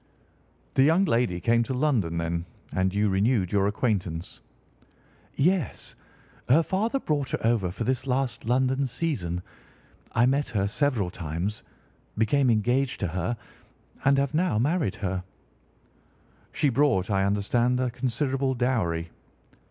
"The young lady came to London, then, and you renewed your acquaintance?" "Yes, her father brought her over for this last London season. I met her several times, became engaged to her, and have now married her." "She brought, I understand, a considerable dowry?"